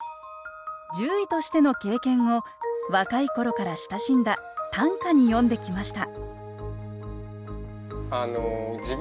獣医としての経験を若い頃から親しんだ短歌に詠んできました